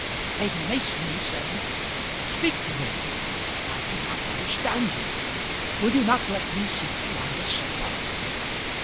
"Lady Mason," he said, "speak to me. I do not understand you. Will you not let me seat you on the sofa?"